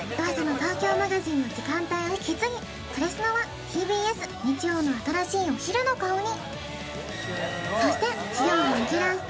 東京マガジン」の時間帯を引き継ぎ「それスノ」はＴＢＳ・日曜の新しいお昼の顔に。